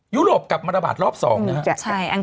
ยุโรปกลับมาระบาดรอบ๒นะครับ